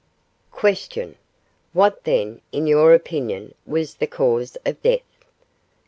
Q. What then, in your opinion, was the cause of death?